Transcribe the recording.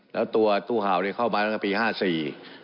และตัวตู้ห่าวเข้ามาตั้งแต่ปี๕๔